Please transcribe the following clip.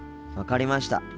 分かりました。